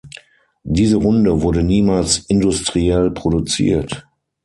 Diese Runde wurde niemals industriell produziert.